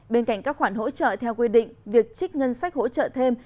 bên cạnh các khoản hỗ trợ theo quy định việc trích ngân sách hỗ trợ thêm